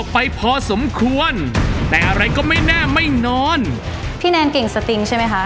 พี่แนนเก่งสติ้งใช่มั้ยคะ